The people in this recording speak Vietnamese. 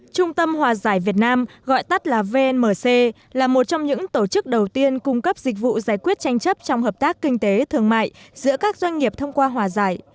trung tâm hòa giải việt nam gọi tắt là vnmc là một trong những tổ chức đầu tiên cung cấp dịch vụ giải quyết tranh chấp trong hợp tác kinh tế thương mại giữa các doanh nghiệp thông qua hòa giải